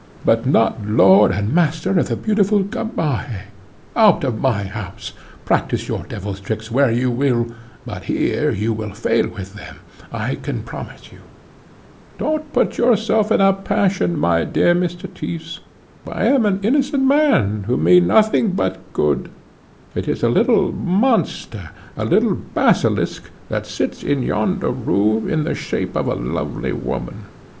but not lord and master of the beautiful Gamaheh. Out of my house! Practise your devil's tricks where you will, but here you will fail with them, I can promise you." "Don't put yourself in a passion," replied Leuwenhock; "don't put yourself in a passion, my dear Mr. Tyss; I am an innocent man, who mean nothing but good. It is a little monster, a little basilisk, that sits in yonder room, in the shape of a lovely woman.